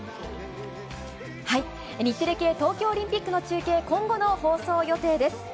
日テレ系、東京オリンピックの中継、今後の放送予定です。